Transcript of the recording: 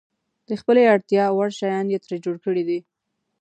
د خپلې اړتیا وړ شیان یې ترې جوړ کړي دي.